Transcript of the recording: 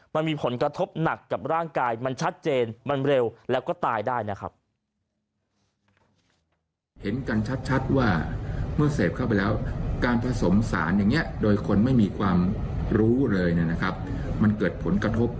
มันมีผลกระทบหนักกับร่างกายมันชัดเจนมันเร็วแล้วก็ตายได้นะครับ